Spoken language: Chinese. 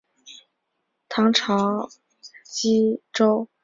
唐朝羁縻州。